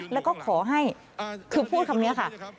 แล้วก็ขอให้คือพูดคำนี้ค่ะ